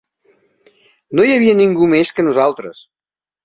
No hi havia ningú més que nosaltres.